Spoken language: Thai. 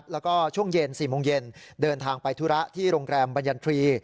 แล้วก็ช่วงเย็น๔โมงเย็นเดินทางไปธุระที่โรงแรมบรรยันทรีย์